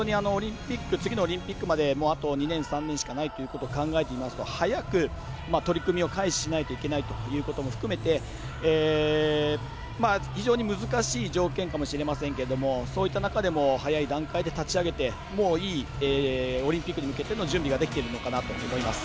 本当に次のオリンピックまであと２年、３年しかないということを考えて見ますと早く取り組みを開始しないといけないということも含めて非常に難しい条件かもしれませんけれどもそういった中でも早い段階で立ち上げていいオリンピックに向けての準備ができているかなと思います。